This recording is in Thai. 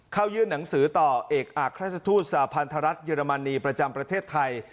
ยื่นหนังสือต่อเอกอักราชทูตสาพันธรัฐเยอรมนีประจำประเทศไทย